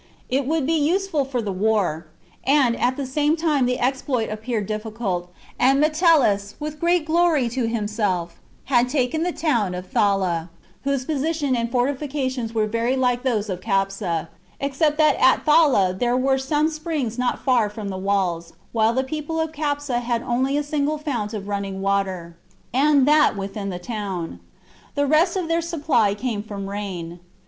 It would be useful for the war, and at the same time the exploit appeared difficult, and Metellus, with great glory to himself,, had taken the town of Thala, whose position and for tifications were very like those of Capsa, except that at Thala there were some springs not far from the walls,, while the people of Capsa had only a single fount of running water, and that within the town ; the rest of their supply came from rain.